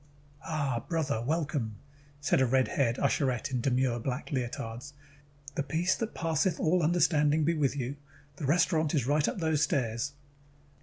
"Ah, brother, welcome," said a red haired usherette in demure black leotards. "The peace that passeth all understanding be with you. The restaurant is right up those stairs."